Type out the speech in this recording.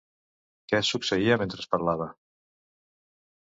Què succeïa mentre parlava?